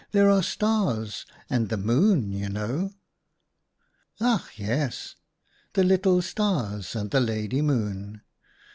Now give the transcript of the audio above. " There are the Stars and the Moon, you know." " Ach, yes ! The little Stars and the Lady Moon.